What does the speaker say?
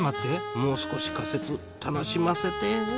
もう少し仮説楽しませて。